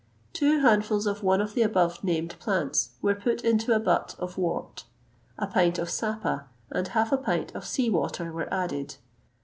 Two handfuls of one of the above named plants were put into a butt of wort; a pint of sapa and half a pint of sea water were added.